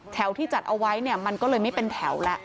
แถวที่จัดเอาไว้เนี่ยมันก็เลยไม่เป็นแถวแล้ว